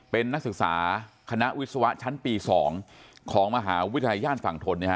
เป็นนักศึกษาคณะวิศวะชั้นปี๒ของมหาวิทยาลัยย่านฝั่งทน